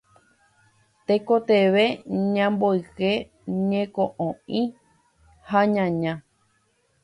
tekotevẽ ñamboyke ñeko'õi ha ñaña.